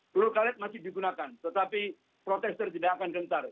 peluru karet masih digunakan tetapi protester tidak akan gentar